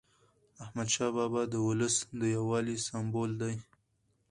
احمدشاه بابا د ولس د یووالي سمبول دی.